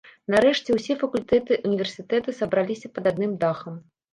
Нарэшце ўсе факультэты ўніверсітэта сабраліся пад адным дахам.